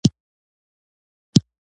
ما تبه لرله او له سخت ذهني فشار سره مخ وم